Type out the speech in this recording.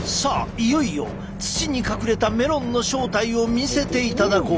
いよいよ土に隠れたメロンの正体を見せていただこう。